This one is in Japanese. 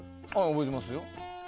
覚えてますよ。